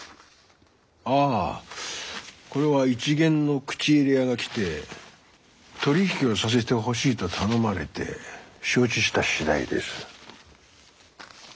ああこれは一見の口入れ屋が来て取り引きをさせてほしいと頼まれて承知したしだいです。